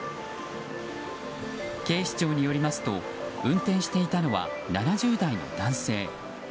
警視庁によりますと運転していたのは７０代の男性。